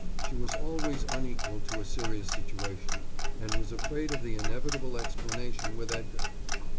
She was always unequal to a serious situation and was afraid of the inevitable explanation with Edgar.